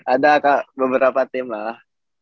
ada beberapa tim lah